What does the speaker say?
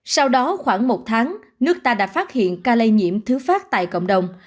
sau đó khoảng một tháng nước ta đã phát hiện ca lây nhiễm thứ phát tại cộng đồng